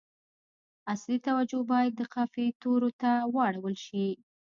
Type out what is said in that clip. اصلي توجه باید د قافیې تورو ته واړول شي.